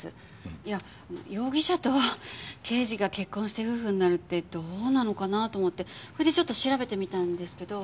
いや容疑者と刑事が結婚して夫婦になるってどうなのかなと思ってそれでちょっと調べてみたんですけど。